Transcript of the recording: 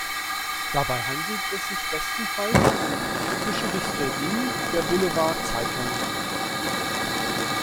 Dabei handelt es sich bestenfalls um die typische Hysterie der Boulevardzeitungen.